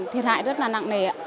thiệt hại rất là nặng nề